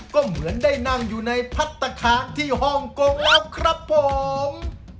ก็เหมือนได้นั่งอยู่ในพัฒนาคารที่ฮ่องกงแล้วครับผม